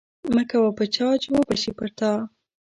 مه کوه په چا چې وبه شي پر تا